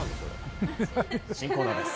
新コーナーです。